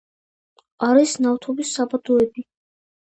არის ნავთობის საბადოები.